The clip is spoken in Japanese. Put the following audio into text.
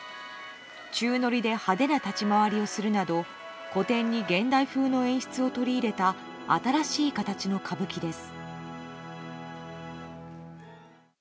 宙乗りで派手な立ち回りをするなど古典に現代風な演出を取り入れた新しい形の歌舞伎です。